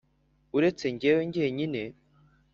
uretse jyewe jyenyine.